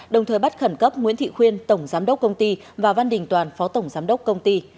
đồng thời bắt khẩn cấp nguyễn thị khuyên tổng giám đốc công ty và văn đình toàn phó tổng giám đốc công ty